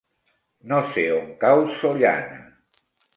No sé on cau Sollana.